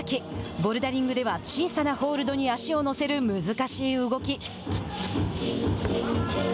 ボルダリングでは小さなホールドに足を乗せる難しい動き。